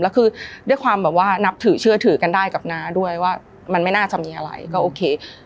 แล้วคือด้วยความแบบว่านับถือเชื่อถือกันได้กับน้าด้วยว่ามันไม่น่าจะมีอะไรก็โอเค